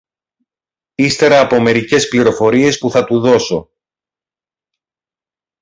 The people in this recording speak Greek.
ύστερα από μερικές πληροφορίες που θα του δώσω